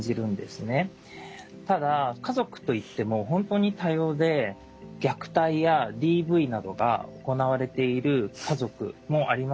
ただ家族といっても本当に多様で虐待やＤＶなどが行われている家族もありますよね。